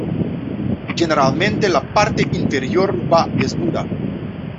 Generalmente la parte inferior va desnuda.